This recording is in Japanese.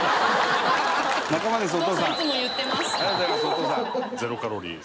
０キロカロリー！